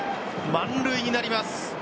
満塁になります。